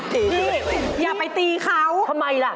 อย่าไปตีเขาทำไมล่ะ